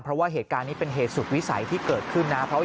เพราะว่าเหตุการณ์นี้เป็นเหตุสุดวิสัยที่เกิดขึ้นนะ